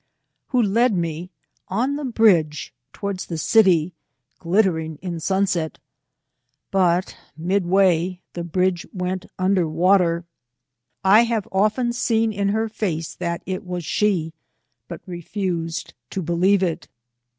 who led me, on the bridge, towards the city, glit tering in sunset, but, midway, the bridge went under water. I have often seen in her face that it was she, but refused to believe it.